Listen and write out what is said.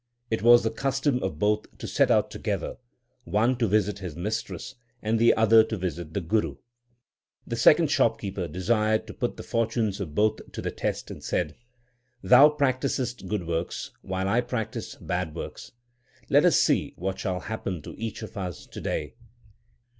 It was the custom of both to set out together, one to visit his mistress, and the other to visit the Guru. The second shopkeeper desired to put the fortunes of both to the test, and said, Thou practisest good works, while I practise bad works. Let us see what shall happen to each of us to day.